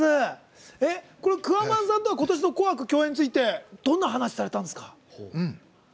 くわまんさんとは今年の共演についてどんな話されたんですか？